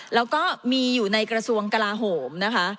แล้วก็มีอยู่ในกระทรวงกลาโหมนะคะ